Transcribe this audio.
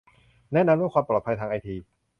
แนะนำเรื่องความปลอดภัยทางไอที